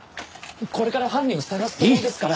これから犯人を捜すところですから。